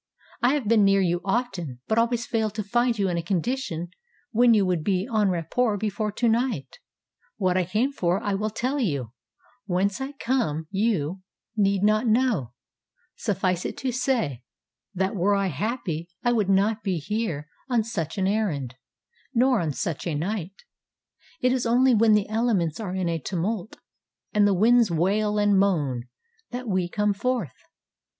ŌĆ£I have been near you often; but always failed to find you in a condition when you would be en rapport before to night. What I came for I will tell you; whence I come, you need not know; suffice it to say, that were I happy I would not be here on such an errand, nor on such a night it is only when the elements are in a tumult, and the winds wail and moan, that we come forth.